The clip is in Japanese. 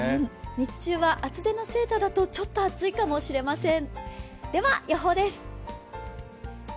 日中は厚手のセーターだとちょっと暑いかもしれません。